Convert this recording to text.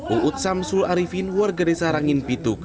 uud samsul arifin warga desa rangin pituk